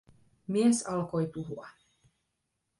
Mies alkoi puhua: